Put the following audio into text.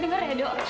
dengar ya dok